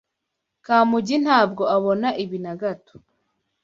Kamugi ntabwo abona ibi na gato.